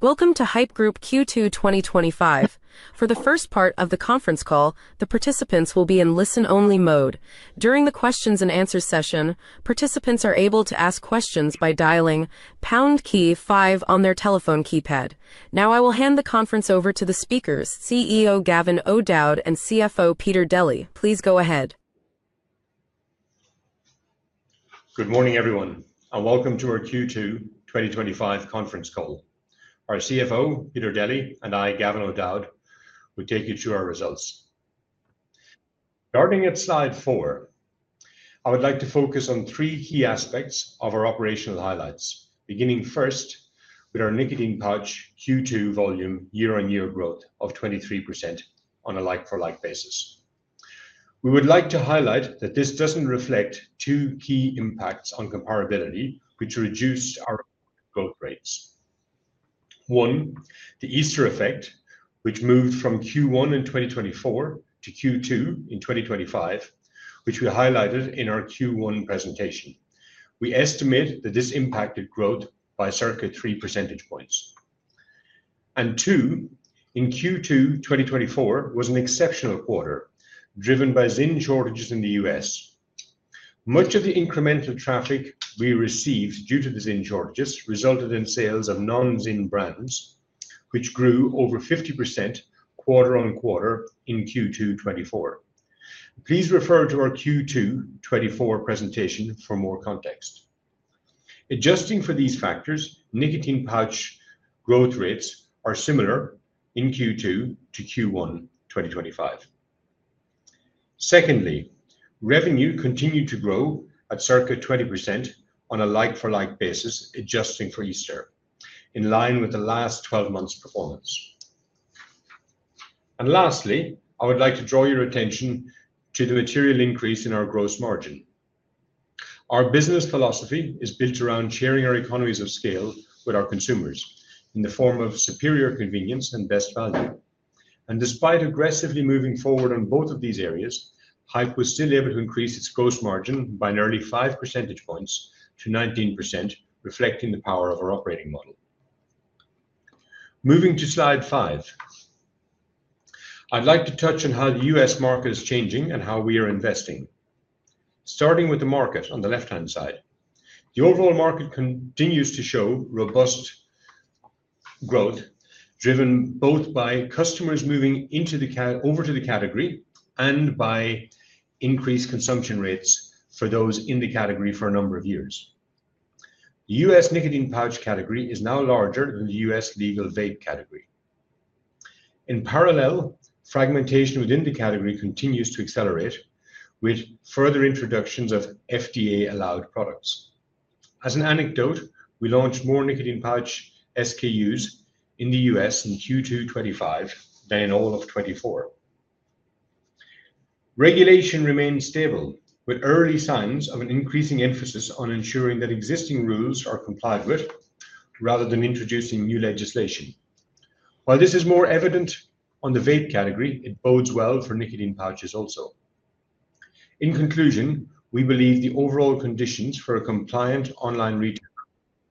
Welcome to Haypp Group Q2 2025. For the first part of the conference call, the participants will be in listen-only mode. During the questions-and-answers session, participants are able to ask questions by dialing pound key five on their telephone keypad. Now, I will hand the conference over to the speakers, CEO Gavin O'Dowd and CFO Peter Deli. Please go ahead. Good morning, everyone, and welcome to our Q2 2025 conference call. Our CFO, Peter Deli, and I, Gavin O'Dowd, will take you through our results. Starting at slide four, I would like to focus on three key aspects of our operational highlights, beginning first with our nicotine pouch Q2 volume year-on-year growth of 23% on a like-for-like basis. We would like to highlight that this doesn't reflect two key impacts on comparability, which reduced our growth rates. One, the Easter effect, which moved from Q1 in 2024 to Q2 in 2025, which we highlighted in our Q1 presentation. We estimate that this impacted growth by circa 3 percentage points. Two, in Q2 2024, was an exceptional quarter driven by Zyn shortages in the U.S. Much of the incremental traffic we received due to the Zyn shortages resulted in sales of non-Zyn brands, which grew over 50% quarter on quarter in Q2 2024. Please refer to our Q2 2024 presentation for more context. Adjusting for these factors, nicotine pouch growth rates are similar in Q2 to Q1 2025. Secondly, revenue continued to grow at circa 20% on a like-for-like basis, adjusting for Easter, in line with the last 12 months' performance. Lastly, I would like to draw your attention to the material increase in our gross margin. Our business philosophy is built around sharing our economies of scale with our consumers in the form of superior convenience and best value. Despite aggressively moving forward on both of these areas, Haypp Group was still able to increase its gross margin by nearly 5 percentage points to 19%, reflecting the power of our operating model. Moving to slide five, I'd like to touch on how the U.S. market is changing and how we are investing. Starting with the market on the left-hand side, the overall market continues to show robust growth, driven both by customers moving over to the category and by increased consumption rates for those in the category for a number of years. The U.S. nicotine pouch category is now larger than the U.S. legal vape category. In parallel, fragmentation within the category continues to accelerate with further introductions of FDA-allowed products. As an anecdote, we launched more nicotine pouch SKUs in the U.S. in Q2 2025 than in all of 2024. Regulation remains stable, with early signs of an increasing emphasis on ensuring that existing rules are complied with rather than introducing new legislation. While this is more evident on the vape category, it bodes well for nicotine pouches also. In conclusion, we believe the overall conditions for a compliant online retail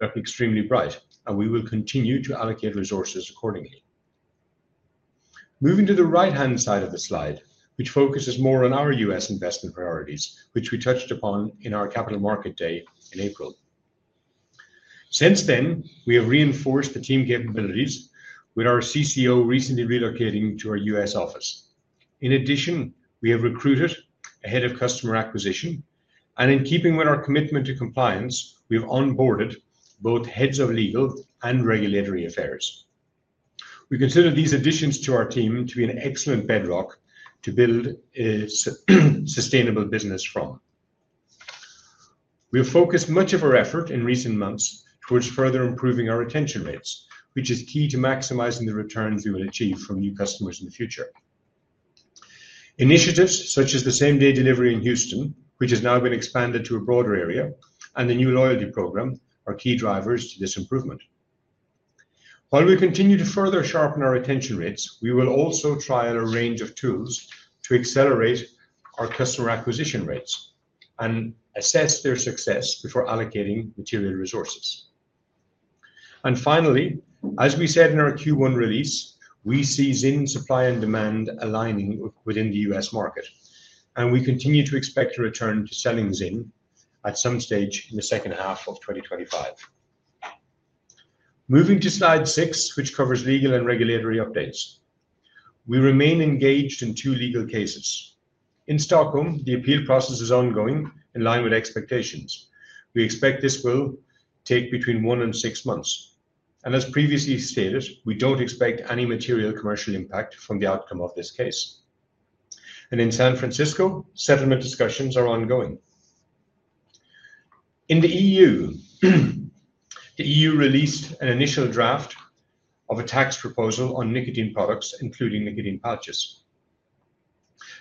are extremely bright, and we will continue to allocate resources accordingly. Moving to the right-hand side of the slide, which focuses more on our U.S. investment priorities, which we touched upon in our Capital Market Day in April. Since then, we have reinforced the team capabilities with our CCO recently relocating to our U.S. office. In addition, we have recruited a Head of Customer Acquisition, and in keeping with our commitment to compliance, we've onboarded both Heads of Legal and Regulatory Affairs. We consider these additions to our team to be an excellent bedrock to build a sustainable business from. We've focused much of our effort in recent months towards further improving our retention rates, which is key to maximizing the returns we will achieve from new customers in the future. Initiatives such as the same-day delivery in Houston, which has now been expanded to a broader area, and the new loyalty program are key drivers to this improvement. While we continue to further sharpen our retention rates, we will also try out a range of tools to accelerate our customer acquisition rates and assess their success before allocating material resources. Finally, as we said in our Q1 release, we see Zyn supply and demand aligning within the U.S. market, and we continue to expect a return to selling Zyn at some stage in the second half of 2025. Moving to slide six, which covers legal and regulatory updates, we remain engaged in two legal cases. In Stockholm, the appeal process is ongoing in line with expectations. We expect this will take between one and six months. As previously stated, we don't expect any material commercial impact from the outcome of this case. In San Francisco, settlement discussions are ongoing. In the EU, the EU released an initial draft of a tax proposal on nicotine products, including nicotine pouches.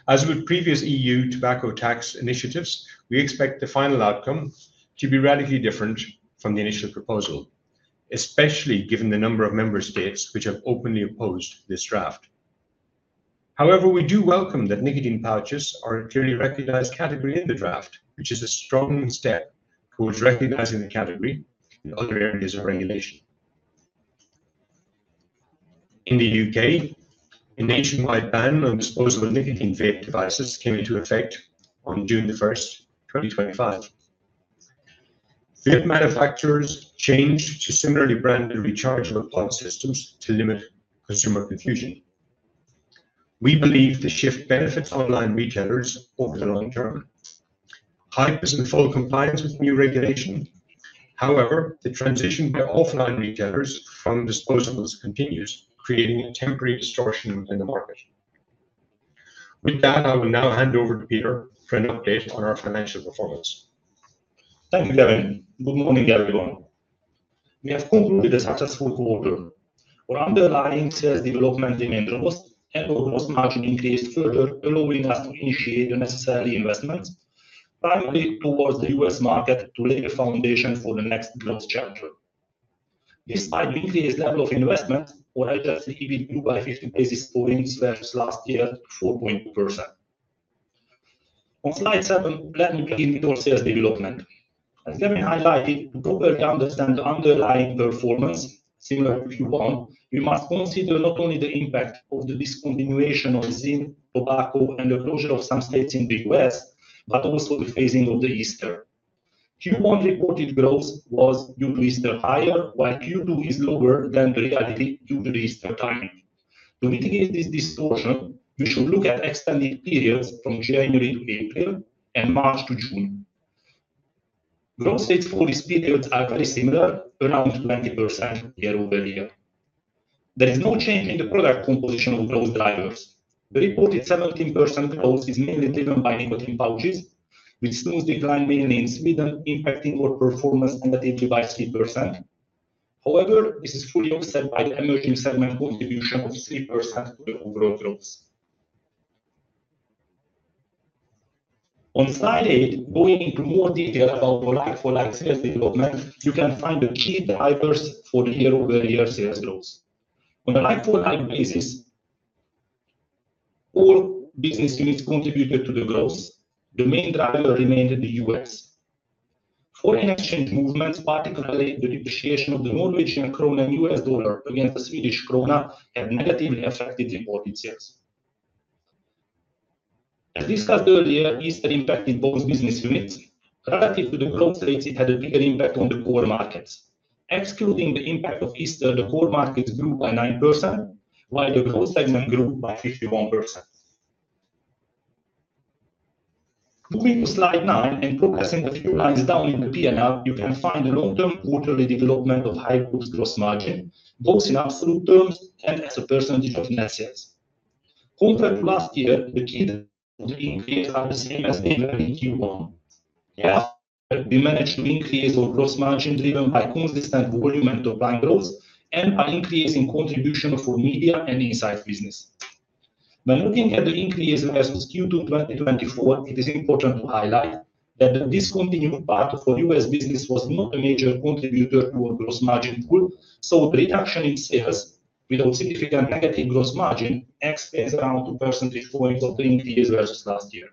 As with previous EU tobacco tax initiatives, we expect the final outcome to be radically different from the initial proposal, especially given the number of member states which have openly opposed this draft. However, we do welcome that nicotine pouches are a duly recognized category in the draft, which is a strong step towards recognizing the category in other areas of regulation. In the U.K., a nationwide ban on disposable nicotine vape devices came into effect on June 1, 2025. Vape manufacturers changed to similarly branded rechargeable pump systems to limit consumer confusion. We believe the shift benefits online retailers over the long term. Haypp Group is in full compliance with the new regulation. However, the transition by offline retailers from disposables continues, creating a temporary distortion in the market. With that, I will now hand over to Peter Deli for an update on our financial performance. Thank you, Gavin. Good morning, everyone. We have concluded the successful quarter. Our underlying sales development in the North and/or North American increased further, allowing us to initiate the necessary investments, primarily towards the U.S. market, to lay the foundation for the next growth chapter. Despite the increased level of investment, our adjustment increased by 50 basis points versus last year's 4.2%. On slide seven, let me begin with our sales development. As Gavin highlighted, to understand the underlying performance similar to Q1, we must consider not only the impact of the discontinuation of Zyn, tobacco, and the closure of some states in the U.S., but also the phasing of the Easter. Q1 reported growth was due to Easter higher, while Q2 is lower than the reality due to the Easter time. To mitigate this distortion, we should look at extended periods from January to April and March to June. Growth rates for these periods are very similar, around 20% year-over-year. There is no change in the product composition of those drivers. The reported 17% growth is mainly driven by nicotine pouches, with smooth decline mainly in Sweden impacting work performance on the digit by 3%. However, this is fully offset by the emerging segment contribution of 3% of the overall growth. On slide eight, going into more detail about the like-for-like sales development, you can find the key drivers for the year-over-year sales growth. On a like-for-like basis, four business units contributed to the growth. The main driver remained in the U.S. Foreign exchange movements, particularly the depreciation of the Norwegian krona and U.S. dollar against the Swedish krona, have negatively affected the imported sales. As discussed earlier, Easter impacted both business units. Relative to the growth rates, it had a bigger impact on the core markets. Excluding the impact of Easter, the core markets grew by 9%, while the growth segment grew by 51%. Moving to slide nine and progressing a few lines down in the P&L, you can find the long-term quarterly development of Haypp Group's gross margin, both in absolute terms and as a percentage of net sales. Compared to last year, the increase is the same as previous Q1. Yeah, we managed to increase our gross margin driven by consistent volume and top line growth and an increase in contribution for Media & Insights business. By looking at the increase versus Q2 2024, it is important to highlight that the discontinued part of our U.S. business was not a major contributor to our gross margin growth, so the reduction in sales without significant negative gross margin exceeds around 2% points of the increase versus last year.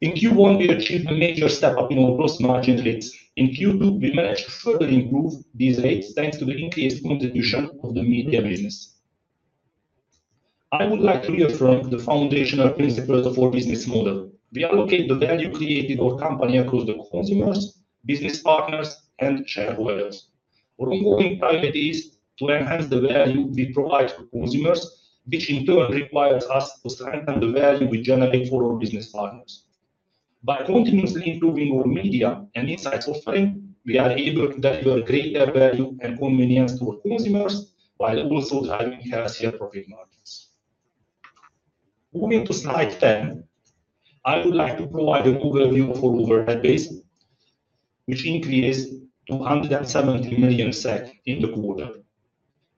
In Q1, we achieved a major step up in our gross margin rates. In Q2, we managed to further improve these rates thanks to the increased contribution of the Media & Insights business. I would like to reaffirm the foundational principles of our business model. We allocate the value created by our company across the consumers, business partners, and shareholders. Our ongoing target is to enhance the value we provide to consumers, which in turn requires us to strengthen the value we generate for our business partners. By continuously improving our Media & Insights offering, we are able to deliver greater value and convenience to our consumers while also driving healthier profit margins. Moving to slide ten, I would like to provide an overview of our overhead base, which increased to 170 million SEK in the quarter.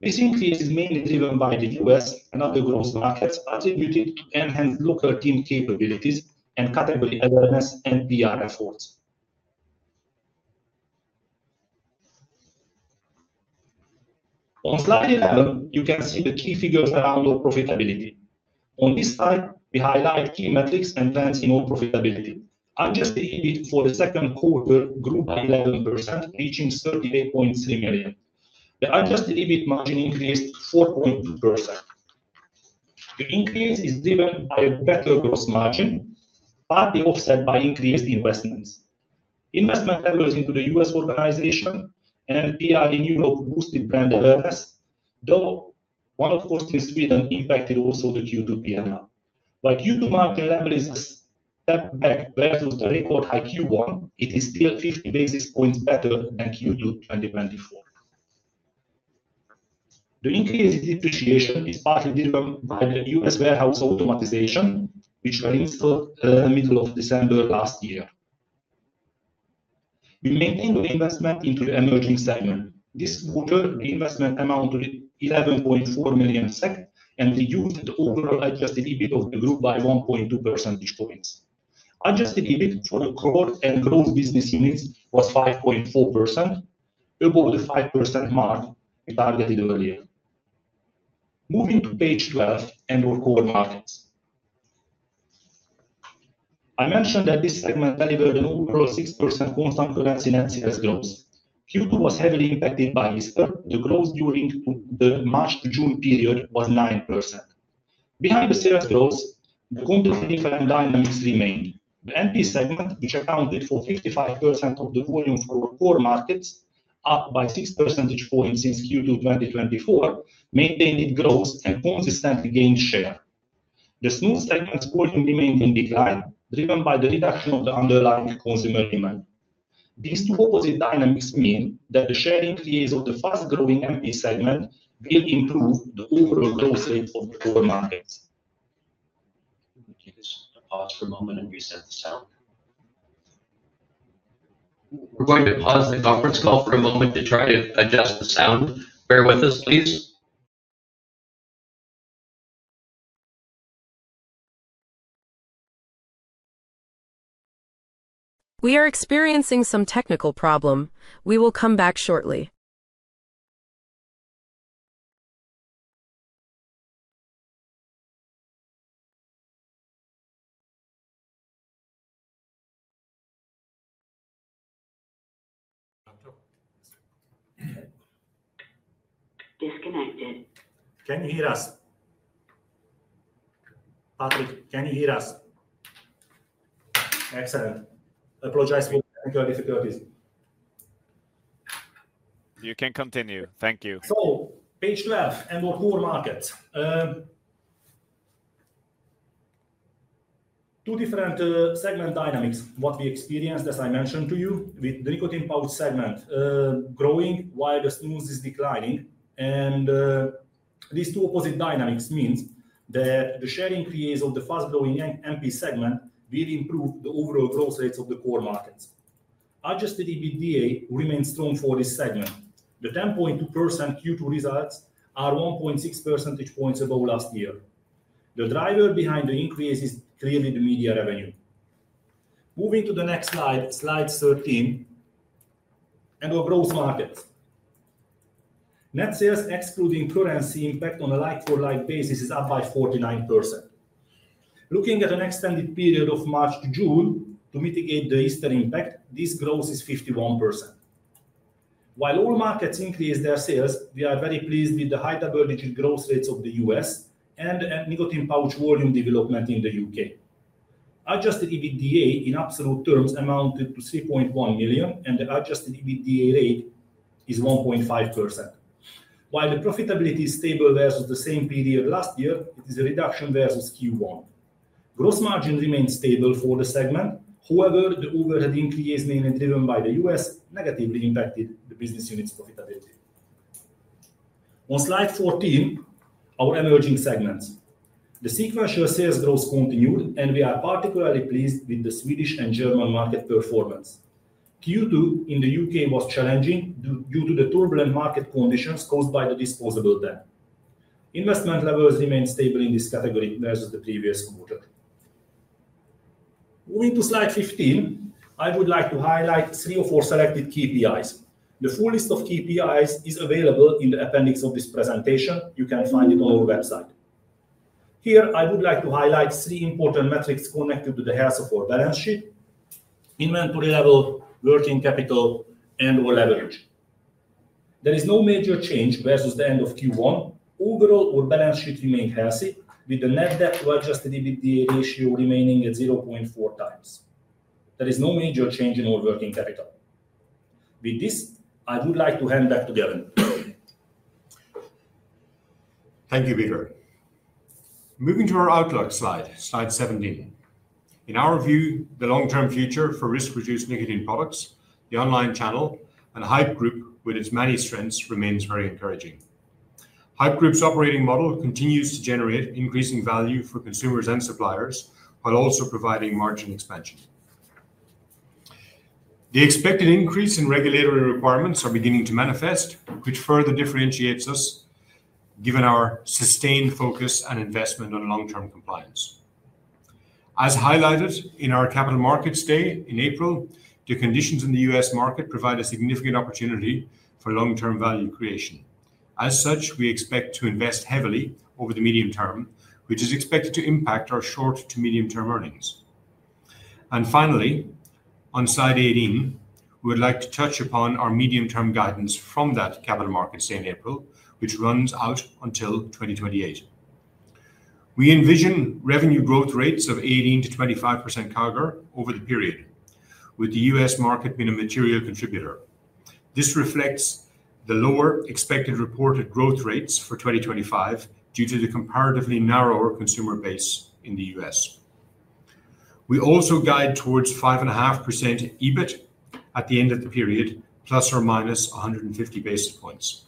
This increase is mainly driven by the U.S. and other growth markets attributed to enhanced local team capabilities and category awareness and PR efforts. On slide 11, you can see the key figures around our profitability. On this slide, we highlight key metrics and trends in our profitability. Adjusted EBIT for the second quarter grew by 11%, reaching 38.3 million. The adjusted EBIT margin increased 4.2%. The increase is driven by a better gross margin, partly offset by increased investments. Investment levels into the U.S. organization and PR in Europe boosted brand awareness, though one-off cost in Sweden impacted also the Q2 P&L. While Q2 market levels stepped back versus the record high Q1, it is still 50 basis points better than Q2 2024. The increase in depreciation is partly driven by the U.S. warehouse automatization, which we installed in the middle of December last year. We maintained our investment into the emerging segment. This quarter, the investment amounted to 11.4 million SEK and reduced the overall adjusted EBIT of the group by 1.2 percentage points. Adjusted EBIT for the core and growth business units was 5.4%, above the 5% mark targeted earlier. Moving to page 12 and our core markets. I mentioned that this segment delivered an overall 6% constant currency net sales growth. Q2 was heavily impacted by Easter. The growth during the March to June period was 9%. Behind the sales growth, the compensating brand dynamics remain. The nicotine pouch segment, which accounted for 55% of the volume for our core markets, up by 6% points since Q2 2024, maintained its growth and consistently gained share. The smooth segment's growth remained in decline, driven by the reduction of the underlying consumer demand. These two opposite dynamics mean that the sharing phase of the fast-growing nicotine pouch segment will improve the overall growth rate of the core markets. I'll pause for a moment and reset the sound. We're going to pause the conference call for a moment to try to adjust the sound. Bear with us, please. We are experiencing some technical problem. We will come back shortly. Can you hear us? Gavin, can you hear us? Excellent. Apologize for your difficulties. You can continue. Thank you. Page 12 and our core markets. Two different segment dynamics. What we experienced, as I mentioned to you, with the nicotine pouch segment growing while the smooth is declining. These two opposite dynamics mean that the sharing phase of the fast-growing nicotine pouch segment will improve the overall growth rates of the core markets. Adjusted EBITDA remains strong for this segment. The 10.2% Q2 results are 1.6 percentage points above last year. The driver behind the increase is clearly the media revenue. Moving to the next slide, slide 13, and our growth markets. Net sales, excluding currency impact on a like-for-like basis, is up by 49%. Looking at an extended period of March to June to mitigate the Easter impact, this growth is 51%. While all markets increased their sales, we are very pleased with the high-double-digit growth rates of the U.S. and nicotine pouch volume development in the U.K.. Adjusted EBITDA in absolute terms amounted to $3.1 million, and the adjusted EBITDA rate is 1.5%. While the profitability is stable versus the same period last year, it is a reduction versus Q1. Gross margin remains stable for the segment. However, the overhead increase mainly driven by the U.S. negatively impacted the business units' profitability. On slide 14, our emerging segments. The sequential sales growth continued, and we are particularly pleased with the Swedish and German market performance. Q2 in the U.K. was challenging due to the turbulent market conditions caused by the disposable debt. Investment levels remain stable in this category versus the previous quarter. Moving to slide 15, I would like to highlight three or four selected KPIs. The full list of KPIs is available in the appendix of this presentation. You can find it on our website. Here, I would like to highlight three important metrics connected to the health of our balance sheet: inventory level, working capital, and/or leverage. There is no major change versus the end of Q1. Overall, our balance sheet remained healthy, with the net debt to adjusted EBITDA ratio remaining at 0.4 times. There is no major change in our working capital. With this, I would like to hand back to Gavin. Thank you, Peter. Moving to our outlook slide, slide 17. In our view, the long-term future for risk-reduced nicotine products, the online channel, and Haypp Group, with its many strengths, remains very encouraging. Haypp Group's operating model continues to generate increasing value for consumers and suppliers while also providing margin expansion. The expected increase in regulatory requirements is beginning to manifest, which further differentiates us given our sustained focus and investment on long-term compliance. As highlighted in our Capital Markets Day in April, the conditions in the U.S. market provide a significant opportunity for long-term value creation. As such, we expect to invest heavily over the medium term, which is expected to impact our short to medium-term earnings. Finally, on slide 18, we would like to touch upon our medium-term guidance from that Capital Markets Day in April, which runs out until 2028. We envision revenue growth rates of 18%-25% CAGR over the period, with the U.S. market being a material contributor. This reflects the lower expected reported growth rates for 2025 due to the comparatively narrower consumer base in the U.S. We also guide towards 5.5% EBIT at the end of the period, plus or minus 150 basis points.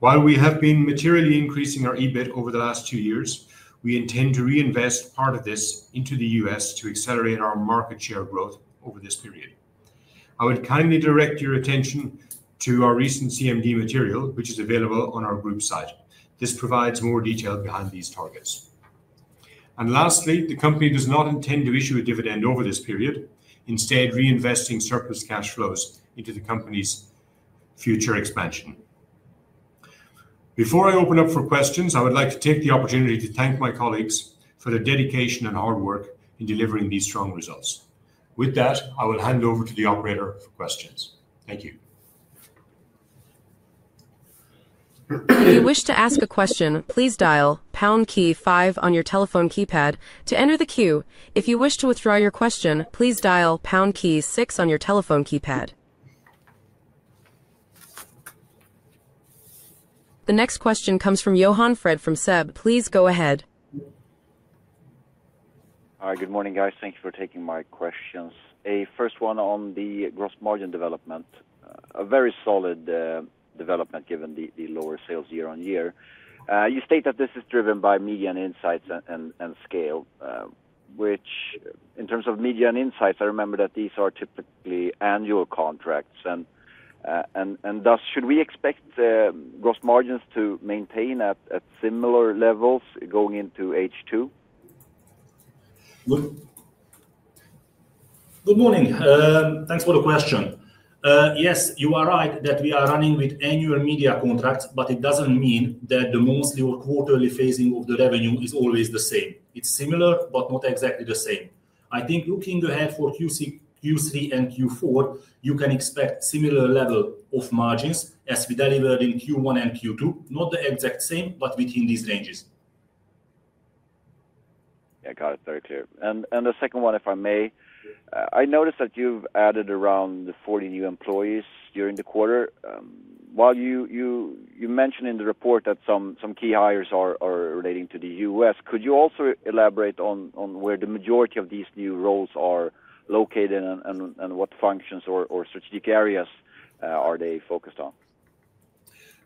While we have been materially increasing our EBIT over the last two years, we intend to reinvest part of this into the U.S. to accelerate our market share growth over this period. I would kindly direct your attention to our recent CMD material, which is available on our group site. This provides more detail behind these targets. Lastly, the company does not intend to issue a dividend over this period, instead reinvesting surplus cash flows into the company's future expansion. Before I open up for questions, I would like to take the opportunity to thank my colleagues for their dedication and hard work in delivering these strong results. With that, I will hand over to the operator for questions. Thank you. If you wish to ask a question, please dial pound key five on your telephone keypad to enter the queue. If you wish to withdraw your question, please dial pound key six on your telephone keypad. The next question comes from Johan Hansson from SEB. Please go ahead. Hi, good morning, guys. Thank you for taking my questions. A first one on the gross margin development, a very solid development given the lower sales year-on-year. You state that this is driven by Media & Insights and scale, which in terms of Media & Insights, I remember that these are typically annual contracts. Thus, should we expect gross margins to maintain at similar levels going into H2? Good morning. Thanks for the question. Yes, you are right that we are running with annual media contracts, but it doesn't mean that the monthly or quarterly phasing of the revenue is always the same. It's similar, but not exactly the same. I think looking ahead for Q3 and Q4, you can expect similar level of margins as we delivered in Q1 and Q2, not the exact same, but within these ranges. Yeah, got it. Thank you. The second one, if I may, I noticed that you've added around 40 new employees during the quarter. While you mentioned in the report that some key hires are relating to the U.S., could you also elaborate on where the majority of these new roles are located and what functions or strategic areas are they focused on?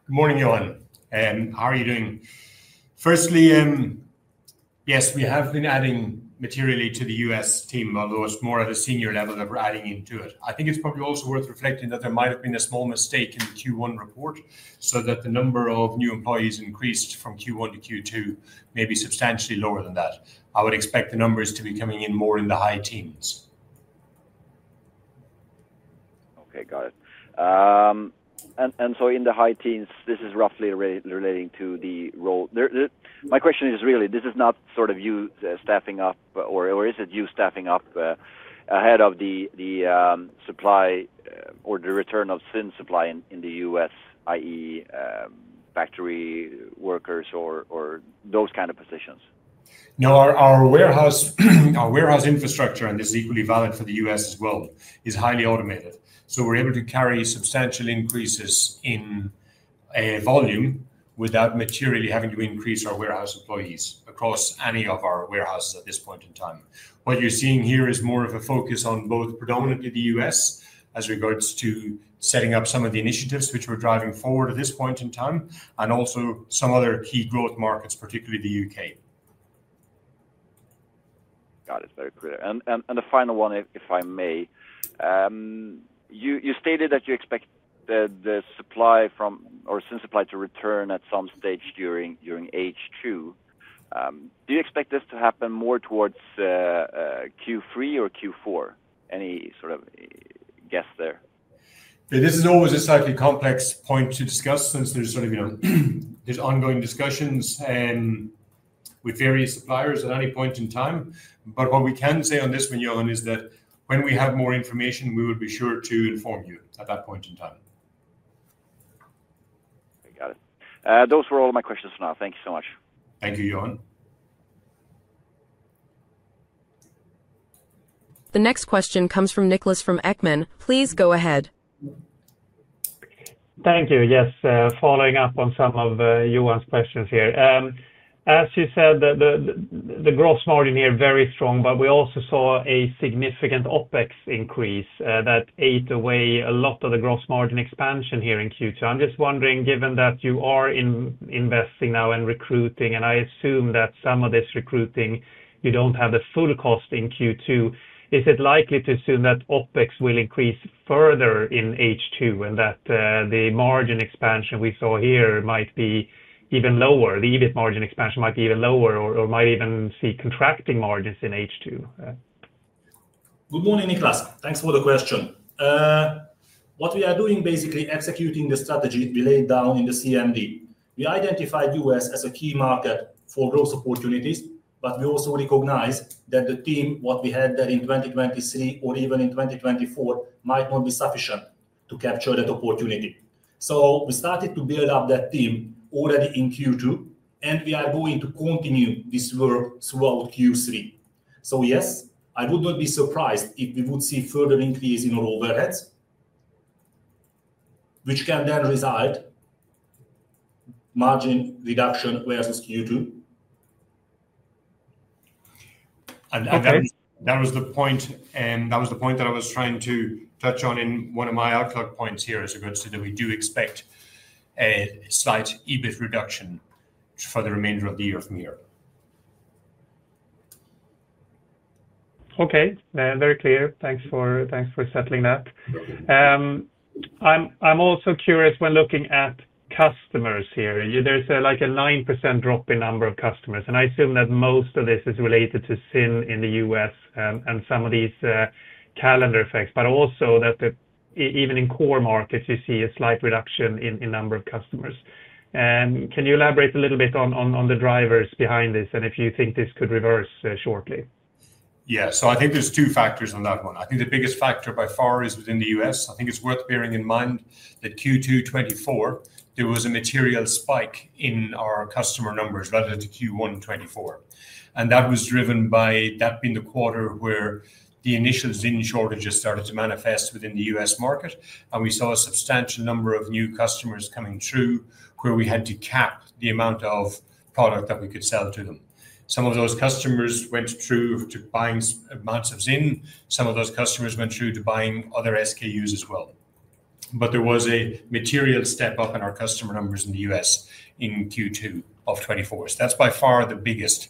Good morning, Johan. How are you doing? Firstly, yes, we have been adding materially to the U.S. team, although it's more at the senior level that we're adding into it. I think it's probably also worth reflecting that there might have been a small mistake in the Q1 report, so that the number of new employees increased from Q1 to Q2 may be substantially lower than that. I would expect the numbers to be coming in more in the high teens. Got it. In the high teens, this is roughly relating to the role. My question is really, this is not you staffing up, or is it you staffing up ahead of the supply or the return of thin supply in the U.S., i.e., factory workers or those kind of positions? No, our warehouse infrastructure, and this is equally valid for the U.S. as well, is highly automated. We're able to carry substantial increases in volume without materially having to increase our warehouse employees across any of our warehouses at this point in time. What you're seeing here is more of a focus on both predominantly the U.S. as regards to setting up some of the initiatives which we're driving forward at this point in time, and also some other key growth markets, particularly the U.K.. Got it. It's very clear. The final one, if I may, you stated that you expect the supply from or thin supply to return at some stage during H2. Do you expect this to happen more towards Q3 or Q4? Any sort of guess there? This is always a slightly complex point to discuss since there's ongoing discussions with various suppliers at any point in time. What we can say on this one, Johan, is that when we have more information, we will be sure to inform you at that point in time. I got it. Those were all my questions for now. Thank you so much. Thank you, Johan. The next question comes from Niklas Ekman. Please go ahead. Thank you. Yes, following up on some of Johan Hansson's questions here. As you said, the gross margin here is very strong, but we also saw a significant OpEx increase that ate away a lot of the gross margin expansion here in Q2. I'm just wondering, given that you are investing now in recruiting, and I assume that some of this recruiting, you don't have the full cost in Q2. Is it likely to assume that OpEx will increase further in H2 and that the margin expansion we saw here might be even lower? The EBIT margin expansion might be even lower or might even see contracting margins in H2. Good morning, Niklas. Thanks for the question. What we are doing basically is executing the strategy we laid down in the CMD. We identified the U.S. as a key market for growth opportunities, but we also recognize that the team we had there in 2023 or even in 2024 might not be sufficient to capture that opportunity. We started to build up that team already in Q2, and we are going to continue this work throughout Q3. I would not be surprised if we would see further increase in our overheads, which can then result in margin reduction versus Q2. That was the point that I was trying to touch on in one of my outlook points here as regards to that we do expect a slight EBIT reduction for the remainder of the year. Okay, very clear. Thanks for settling that. I'm also curious when looking at customers here. There's like a 9% drop in number of customers, and I assume that most of this is related to Zyn in the U.S. and some of these calendar effects, but also that even in core markets, you see a slight reduction in number of customers. Can you elaborate a little bit on the drivers behind this and if you think this could reverse shortly? Yeah, so I think there's two factors on that one. I think the biggest factor by far is within the U.S. I think it's worth bearing in mind that Q2 2024, there was a material spike in our customer numbers relative to Q1 2024. That was driven by that being the quarter where the initial Zyn shortages started to manifest within the U.S. market. We saw a substantial number of new customers coming through where we had to cap the amount of product that we could sell to them. Some of those customers went through to buying amounts of Zyn. Some of those customers went through to buying other SKUs as well. There was a material step up in our customer numbers in the U.S. in Q2 of 2024. That's by far the biggest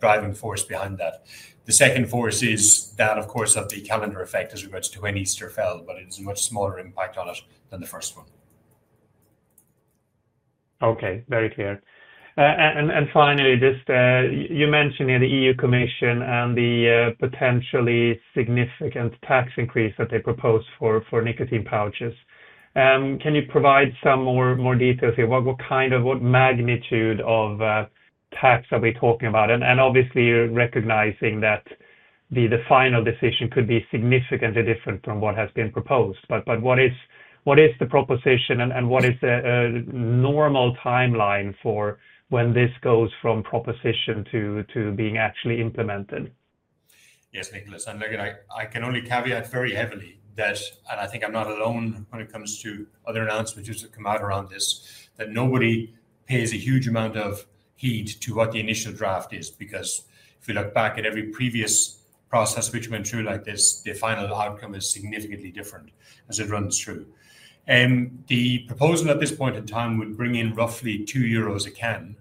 driving force behind that. The second force is that, of course, the calendar effect as regards to when Easter fell, but it is a much smaller impact on us than the first one. Okay, very clear. Finally, you mentioned here the EU Commission and the potentially significant tax increase that they propose for nicotine pouches. Can you provide some more details here? What kind of, what magnitude of tax are we talking about? Obviously, you're recognizing that the final decision could be significantly different from what has been proposed. What is the proposition and what is the normal timeline for when this goes from proposition to being actually implemented? Yes, Niklas. I can only caveat very heavily that, and I think I'm not alone when it comes to other announcements that come out around this, nobody pays a huge amount of heed to what the initial draft is because if we look back at every previous process which went through like this, the final outcome is significantly different as it runs through. The proposal at this point in time would bring in roughly 2 euros a can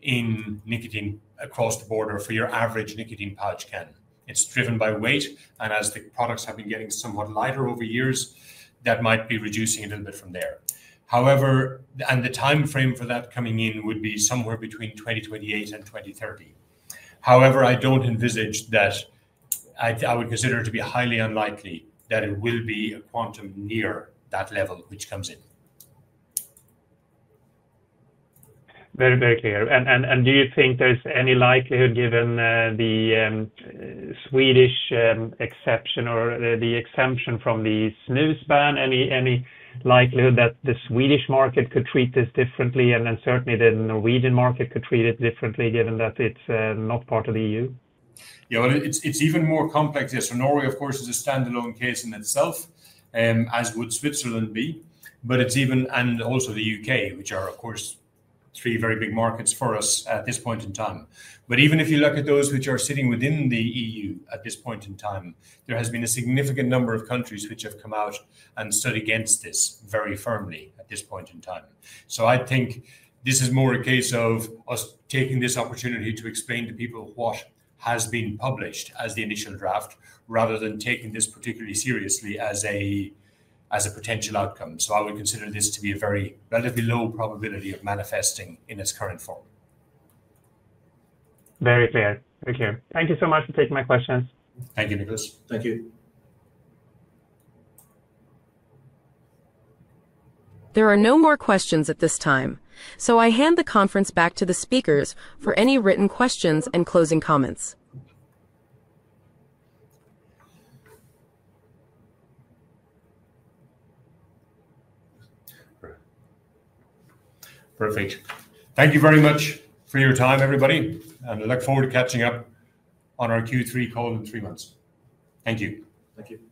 in nicotine across the border for your average nicotine pouch can. It's driven by weight, and as the products have been getting somewhat lighter over years, that might be reducing a little bit from there. The timeframe for that coming in would be somewhere between 2028 and 2030. I don't envisage that. I would consider it to be highly unlikely that it will be a quantum near that level which comes in. Very, very clear. Do you think there's any likelihood given the Swedish exception or the exemption from the snus ban? Any likelihood that the Swedish market could treat this differently, and then certainly the Norwegian market could treat it differently given that it's not part of the EU? Yeah, it's even more complex. Norway, of course, is a standalone case in itself, as would Switzerland be, and also the U.K., which are, of course, three very big markets for us at this point in time. Even if you look at those which are sitting within the EU at this point in time, there has been a significant number of countries which have come out and stood against this very firmly at this point in time. I think this is more a case of us taking this opportunity to explain to people what has been published as the initial draft, rather than taking this particularly seriously as a potential outcome. I would consider this to be a relatively low probability of manifesting in its current form. Very clear. Thank you. Thank you so much for taking my questions. Thank you, Niklas. Thank you. There are no more questions at this time, so I hand the conference back to the speakers for any written questions and closing comments. Perfect. Thank you very much for your time, everybody, and I look forward to catching up on our Q3 call in three months. Thank you. Thank you.